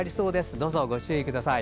どうぞご注意ください。